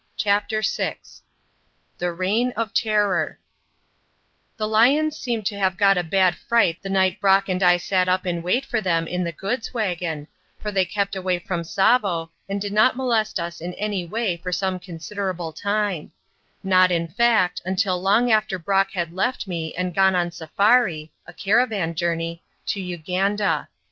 CHAPTER VI THE REIGN OF TERROR The lions seemed to have got a bad fright the night Brock and I sat up in wait for them in the goods wagon, for they kept away from Tsavo and did not molest us in any way for some considerable time not, in fact, until long after Brock had left me and gone on safari (a caravan journey) to Uganda.